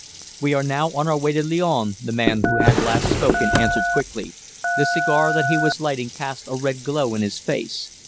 "We are now on our way to Lyons," the man who had last spoken answered quickly the cigar that he was lighting cast a red glow in his face.